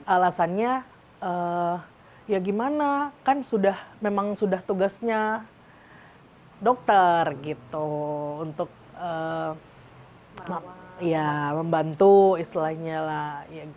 alasannya ya gimana kan memang sudah tugasnya dokter gitu untuk membantu istilahnya lah